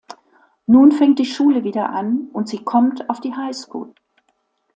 Nun fängt die Schule wieder an, und sie kommt auf die High School.